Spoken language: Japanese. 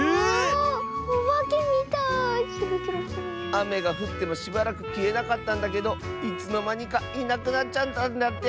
あめがふってもしばらくきえなかったんだけどいつのまにかいなくなっちゃったんだって！